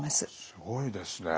すごいですね。